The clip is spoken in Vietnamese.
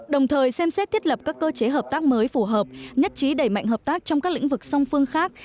đồng thời xem xét thiết lập các cơ chế hợp tác mới phù hợp nhất trí đẩy mạnh hợp tác trong các lĩnh vực song phương khác